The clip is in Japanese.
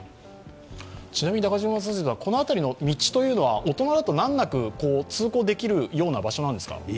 ちなみに、この辺りの道は大人だと難なく通行できるような場所なんですか？